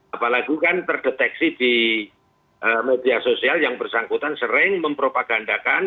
apalagi kan terdeteksi di media sosial yang bersangkutan sering mempropagandakan